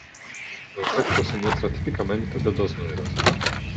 El efecto se muestra típicamente de dos maneras.